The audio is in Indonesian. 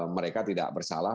mereka tidak bersalah